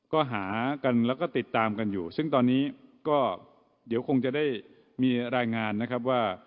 ก็หากันแล้วก็ติดตามกันอยู่ซึ่งตอนนี้ก็เดี๋ยวคงจะได้มีรายงานนะครับว่า